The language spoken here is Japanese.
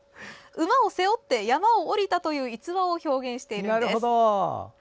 馬を背負って山を下りたという逸話を表現しているんです。